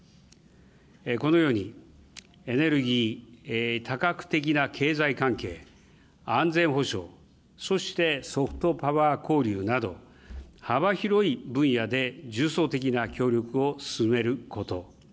このように、エネルギー、多角的な経済関係、安全保障、そしてソフトパワー交流など、幅広い分野で重層的な協力を進めること。